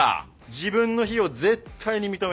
自分の非を絶対に認めない。